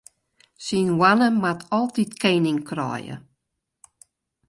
Syn hoanne moat altyd kening kraaie.